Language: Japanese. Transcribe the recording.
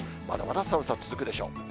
まだまだ寒さ続くでしょう。